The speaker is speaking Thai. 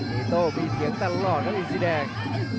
ตะเบาทองมีเสียงตลอดครับอีซีแดง